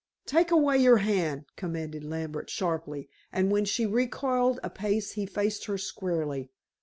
"Take away your hand," commanded Lambert sharply, and when she recoiled a pace he faced her squarely.